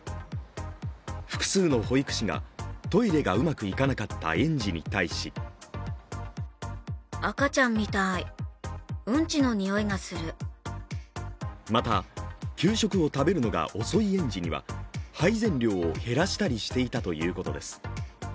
複数の保育士がトイレがうまくいかなかった園児に対しまた給食を食べるのが遅い園児には配膳量を減らしたりしていたということです。